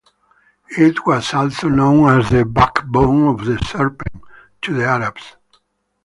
It was also known as the "backbone of the Serpent" to the Arabs.